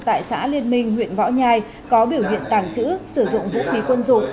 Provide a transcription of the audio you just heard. tại xã liên minh huyện võ nhai có biểu hiện tàng trữ sử dụng vũ khí quân dụng